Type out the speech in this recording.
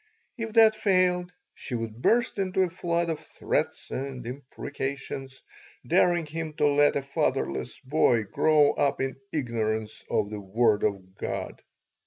If that failed she would burst into a flood of threats and imprecations, daring him to let a fatherless boy grow up in ignorance of the Word of God.